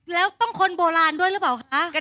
แล้วต้องคนโบราณด้วยหรือเปล่าคะ